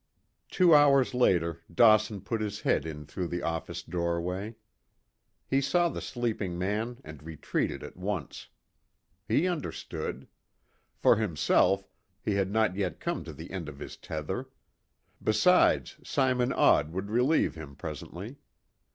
Two hours later Dawson put his head in through the office doorway. He saw the sleeping man and retreated at once. He understood. For himself, he had not yet come to the end of his tether. Besides, Simon Odd would relieve him presently.